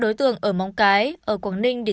đối tượng ở móng cái ở quảng ninh để